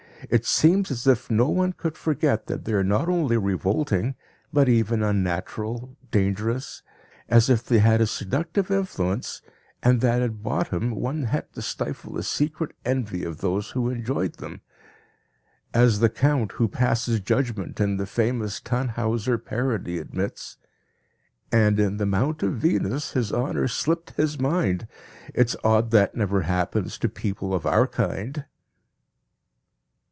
It seems as if no one could forget that they are not only revolting, but even unnatural, dangerous; as if they had a seductive influence and that at bottom one had to stifle a secret envy of those who enjoyed them. As the count who passes judgment in the famous Tannhauser parody admits: "And in the mount of Venus, his honor slipped his mind, It's odd that never happens to people of our kind."